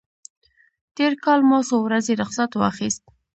تېر کال ما څو ورځې رخصت واخیست.